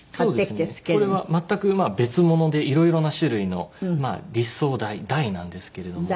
これは全く別物でいろいろな種類のまあ立奏台台なんですけれども。